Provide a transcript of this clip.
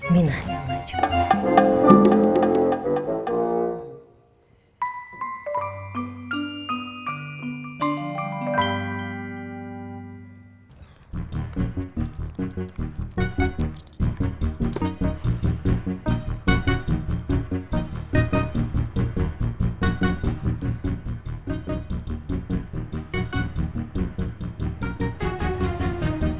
minah yang maju